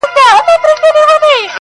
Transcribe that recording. په تېرو اوبو پسي څوک يوم نه وړي.